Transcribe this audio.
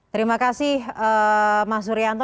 terima kasih mas urianto